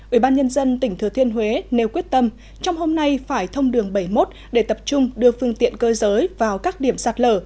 ủy ban nhân dân tỉnh thừa thiên huế nêu quyết tâm trong hôm nay phải thông đường bảy mươi một để tập trung đưa phương tiện cơ giới vào các điểm sạt lở